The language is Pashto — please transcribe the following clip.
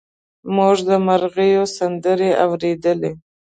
موږ د مرغیو سندرې اورېدلې.